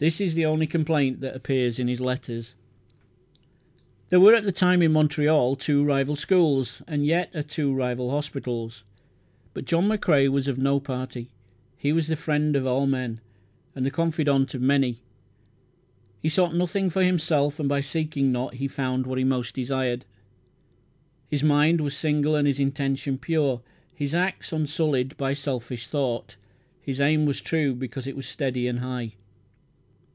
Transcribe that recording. This is the only complaint that appears in his letters. There were at the time in Montreal two rival schools, and are yet two rival hospitals. But John McCrae was of no party. He was the friend of all men, and the confidant of many. He sought nothing for himself and by seeking not he found what he most desired. His mind was single and his intention pure; his acts unsullied by selfish thought; his aim was true because it was steady and high.